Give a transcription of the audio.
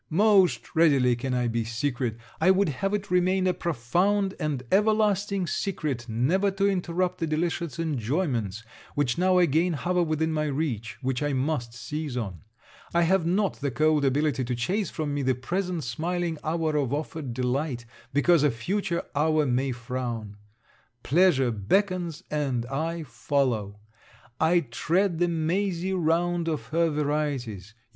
Most readily can I be secret. I would have it remain a profound and everlasting secret, never to interrupt the delicious enjoyments which now again hover within my reach, which I must seize on. I have not the cold ability to chase from me the present smiling hour of offered delight, because a future hour may frown. Pleasure beckons, and I follow. I tread the mazy round of her varieties.